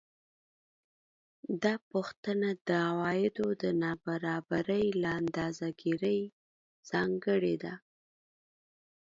دا پوښتنه د عوایدو د نابرابرۍ له اندازه ګیرۍ ځانګړې ده